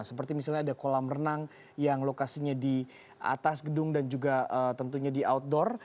seperti misalnya ada kolam renang yang lokasinya di atas gedung dan juga tentunya di outdoor